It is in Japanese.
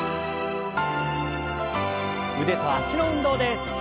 腕と脚の運動です。